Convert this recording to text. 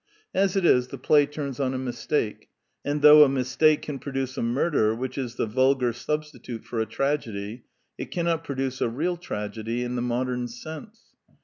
As it is, the play turns on a mistake; and though a mistake can produce a murder, which is the vulgar substitute for a tragedy, it cannot produce a real tragedy in the modern sense.